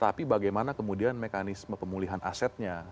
tapi bagaimana kemudian mekanisme pemulihan asetnya